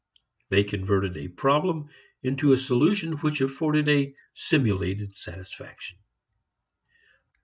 They converted a problem into a solution which afforded a simulated satisfaction.